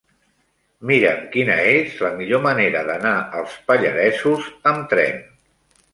Mira'm quina és la millor manera d'anar als Pallaresos amb tren.